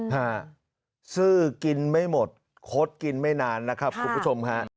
ฮะซื้อกินไม่หมดคดกินไม่นานนะครับคุณผู้ชมฮะ